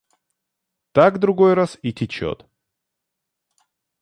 Так, другой раз, и течет.